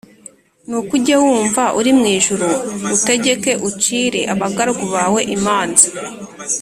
nuko ujye wumva uri mu ijuru utegeke ucire abagaragu bawe imanza